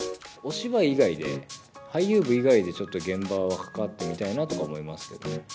お芝居以外で、俳優部以外で、ちょっと現場に関わってみたいなと思いますけどね。